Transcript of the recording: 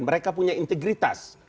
mereka punya integritas